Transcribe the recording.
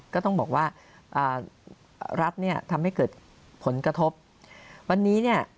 ก็ต้องบอกว่าอ่ารัฐเนี่ยทำให้เกิดผลกระทบวันนี้เนี่ย